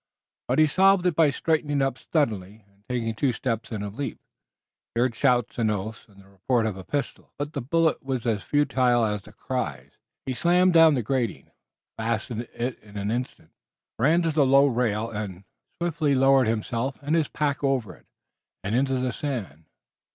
But he solved it by straightening up suddenly and taking two steps at a leap. He heard shouts and oaths, and the report of a pistol, but the bullet was as futile as the cries. He slammed down the grating, fastened it in an instant, ran to the low rail and swiftly lowered himself and his pack over it and into the sand.